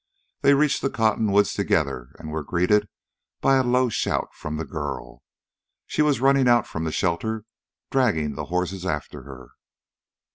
They reached the cottonwoods together and were greeted by a low shout from the girl; she was running out from the shelter, dragging the horses after her.